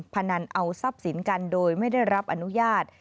พนันเอาทรัพย์สินกันโดยไม่ได้รับอนุญาต